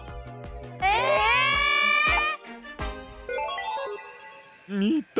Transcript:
ええ！みた？